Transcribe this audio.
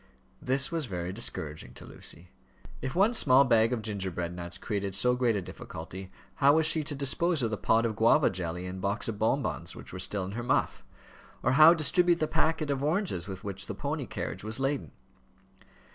This was very discouraging to Lucy. If one small bag of gingerbread nuts created so great a difficulty, how was she to dispose of the pot of guava jelly and box of bonbons, which were still in her muff; or how distribute the packet of oranges with which the pony carriage was laden?